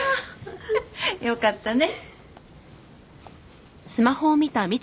よかったね。